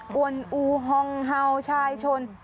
วนอูฮองเห่าชายชน